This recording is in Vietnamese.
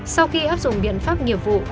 sau khi áp dụng biện pháp nghiệp vụ